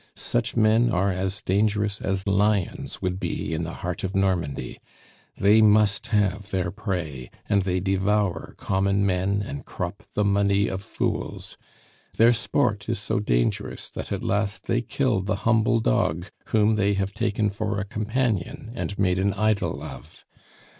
Such men are as dangerous as lions would be in the heart of Normandy; they must have their prey, and they devour common men and crop the money of fools. Their sport is so dangerous that at last they kill the humble dog whom they have taken for a companion and made an idol of.